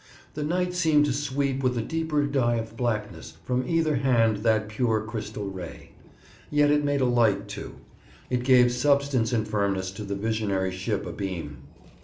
The night seemed to sweep with a deeper dye of blackness from either hand that pure crystal ray. Yet it made a light, too. It gave substance and firmness to the visionary ship abeam.